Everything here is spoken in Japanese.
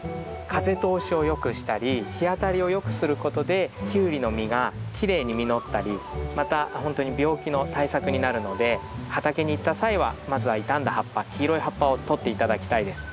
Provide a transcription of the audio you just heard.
風通しをよくしたり日当たりをよくすることでキュウリの実がきれいに実ったりまたほんとに病気の対策になるので畑に行った際はまずは傷んだ葉っぱ黄色い葉っぱをとって頂きたいです。